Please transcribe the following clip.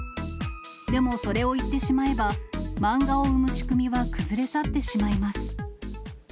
でも、それを言ってしまえば、漫画を生む仕組みは崩れ去ってしまいます。